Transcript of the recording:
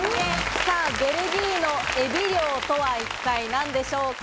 ベルギーのエビ漁とは一体何でしょうか？